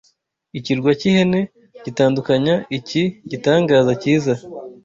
Ikirwa cy'ihene gitandukanya iki gitangaza cyiza